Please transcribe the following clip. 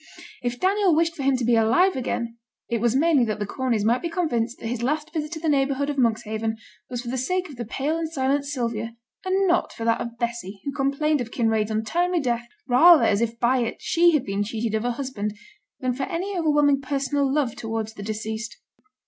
If Daniel wished for him to be alive again, it was mainly that the Corneys might be convinced that his last visit to the neighbourhood of Monkshaven was for the sake of the pale and silent Sylvia, and not for that of Bessy, who complained of Kinraid's untimely death rather as if by it she had been cheated of a husband than for any overwhelming personal love towards the deceased.